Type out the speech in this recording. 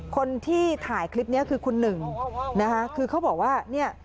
คนที่ถ่ายคลิปนี้คือคุณหนึ่งนะคะคือเขาบอกว่าเนี่ย